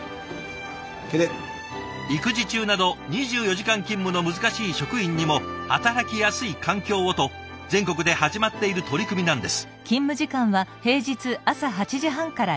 育児中など２４時間勤務の難しい職員にも働きやすい環境をと全国で始まっている取り組みなんです。